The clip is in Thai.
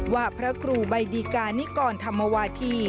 ว่าพระครูใบดีกานิกรธรรมวาธี